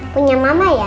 punya mama ya